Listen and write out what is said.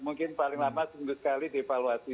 mungkin paling lama seminggu sekali dievaluasi